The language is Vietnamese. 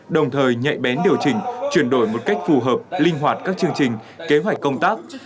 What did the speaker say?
đồng thời nhạy bén điều chỉnh chuyển đổi một cách phù hợp linh hoạt các chương trình kế hoạch công tác